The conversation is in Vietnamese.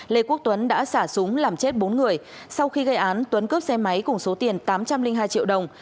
lê quốc tuấn đã xả súng làm chết bốn người sau khi gây án tuấn cướp xe máy cùng số tiền tám trăm linh hai triệu đồng